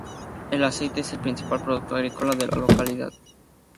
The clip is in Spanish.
El aceite es el principal producto agrícola de la localidad.